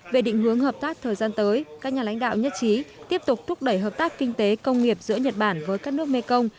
về định hướng hợp tác thời gian tới các nhà lãnh đạo nhất trí tiếp tục thúc đẩy hợp tác kinh tế công nghiệp giữa nhật bản với các nước mekong